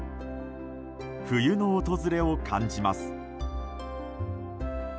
冬の訪れを感じます。